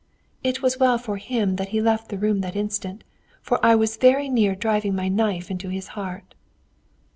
It was well for him that he left the room that instant, for I was very near driving my knife into his heart!"